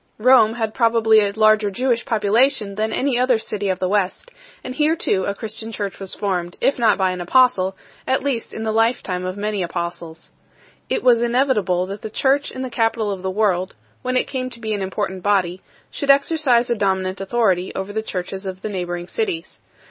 Rome had probably a larger Jewish population than any other city of the West, and here too a Christian church was formed, if not by an Apostle, at least in the lifetime of many Apostles. It was inevitable that the church in the capital of the world, when it came to be an important body, should exercise a dominant authority over the churches of the neighbouring cities.